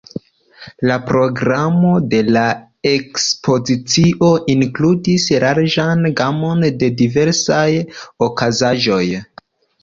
La programo de la ekspozicio inkludis larĝan gamon de diversaj okazaĵoj.